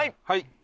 はい！